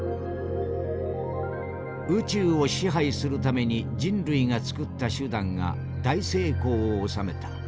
「宇宙を支配するために人類が作った手段が大成功を収めた。